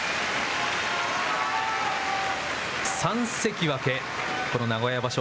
三関脇、この名古屋場所